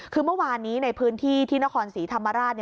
คือเมื่อวานนี้ในพื้นที่ที่นครศรีธรรมราช